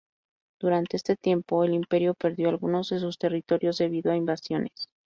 Durante este tiempo, el imperio perdió algunos de sus territorios debido a invasiones.